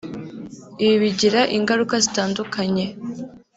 Ibi bigira ingaruka zitandukanye